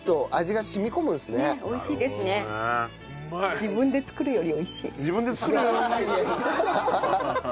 自分で作るよりうまい？